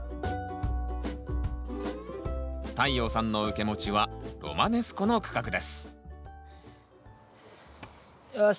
太陽さんの受け持ちはロマネスコの区画ですよし！